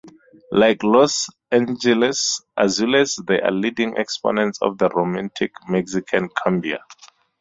Like Los Angeles Azules, they are leading exponents of the romantic Mexican cumbia.